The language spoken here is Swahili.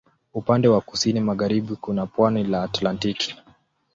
Upande wa kusini magharibi kuna pwani la Atlantiki.